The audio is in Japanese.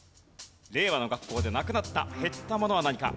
令和の学校でなくなった・減ったものは何か？